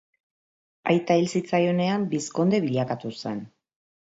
Aita hil zitzaionean, bizkonde bilakatu zen.